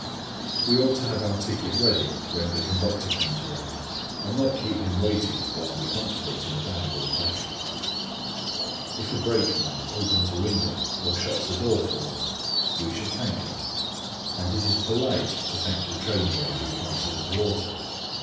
We ought to have our ticket ready when the conductor comes around, and not keep him waiting while we hunt for it in bag or pocket. If a brakeman raises a window or shuts a door for us, we should thank him; and it is polite to thank the train boy who passes us water.